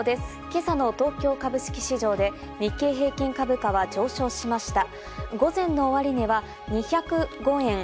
今朝の東京株式市場で日経平均株価は上昇しました。